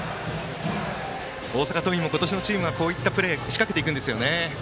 大阪桐蔭も今年のチームはこういったプレー仕掛けていくんですよね。